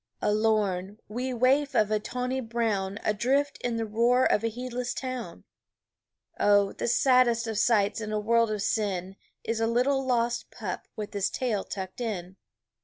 A lorn, wee waif of a tawny brown Adrift in the roar of a heedless town. Oh, the saddest of sights in a world of sin Is a little lost pup with his tail tucked in!